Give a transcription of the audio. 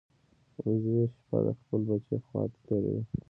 وزې شپه د خپل بچي خوا ته تېروي